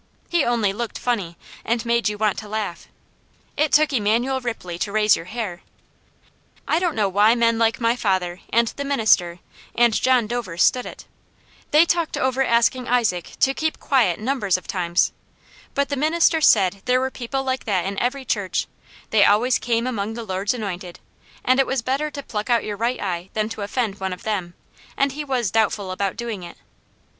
He only looked funny, and made you want to laugh. It took Emanuel Ripley to raise your hair. I don't know why men like my father, and the minister, and John Dover stood it; they talked over asking Isaac to keep quiet numbers of times, but the minister said there were people like that in every church, they always came among the Lord's anointed, and it was better to pluck out your right eye than to offend one of them, and he was doubtful about doing it.